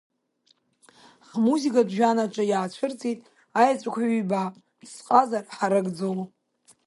Ҳмузикатә жәҩан аҿы иаацәырҵит аеҵәақәа ҩба, зҟазара ҳаракӡоу…